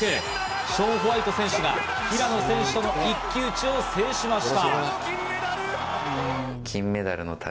ショーン・ホワイト選手が平野選手との一騎打ちを制しました。